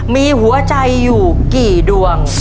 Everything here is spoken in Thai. มีหัวใจอยู่กี่ดวง